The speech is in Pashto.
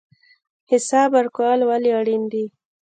حساب ورکول ولې اړین دي؟